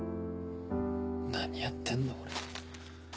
何やってんだ俺。